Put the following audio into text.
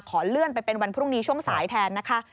ขอเลื่อนไปเป็นวันพรุ่งนี้ช่วงสายแทนนะคะ